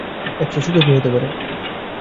এরচেয়ে সুখের কী হতে পারে?